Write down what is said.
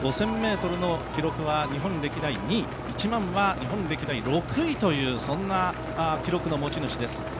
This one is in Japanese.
５０００ｍの記録は日本歴代２位１００００は日本歴代６位という記録の持ち主です。